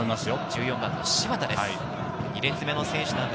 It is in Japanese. １４番・芝田です。